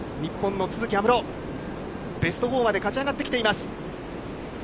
日本の都筑有夢路、ベスト４まで勝ち上がってきています。